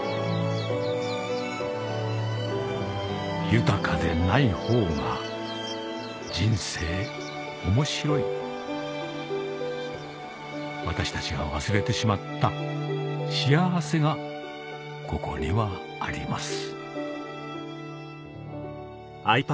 豊かでないほうが人生面白い私たちが忘れてしまった幸せがここにはあります